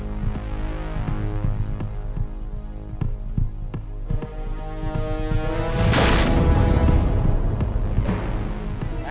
familah lu genternya